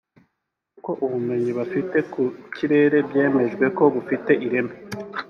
kuko ubumenyi bafite ku by’ikirere byemejwe ko bufite ireme